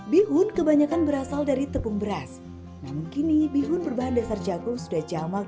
bihut kebanyakan berasal dari tepung beras namun kini bihut berbahan dasar jagung sudah jamak ditemui di pasar sebagai variasinya